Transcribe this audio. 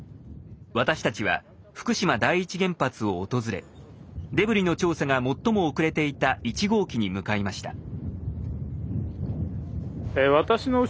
私たちは福島第一原発を訪れデブリの調査が最も遅れていた１号機に向かいました。